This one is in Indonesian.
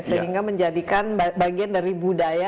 sehingga menjadikan bagian dari budaya